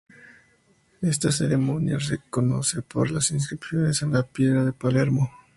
Esta ceremonia se conoce por las inscripciones en la piedra de Palermo.